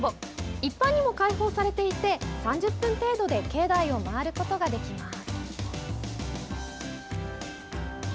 一般にも開放されていて３０分程度で境内を回ることができます。